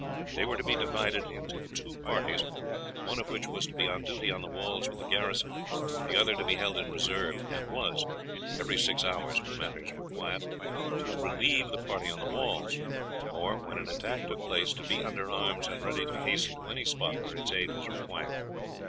They were to be divided into two parties, one of which was to be on duty on the walls with the garrison, the other to be held in reserve, and was every six hours when matters were quiet to relieve the party on the walls, or, when an attack took place, to be under arms and ready to hasten to any spot where its aid was required.